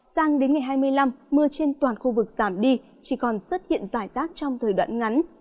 sang đến ngày hai mươi năm mưa trên toàn khu vực giảm đi chỉ còn xuất hiện rải rác trong thời đoạn ngắn